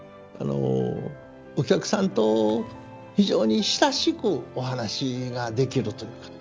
お客さんと非常に親しくお話ができるということ。